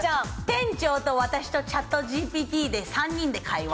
店長と私とＣｈａｔＧＰＴで３人で会話。